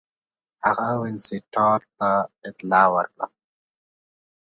هغه وینسیټارټ ته اطلاع ورکړه.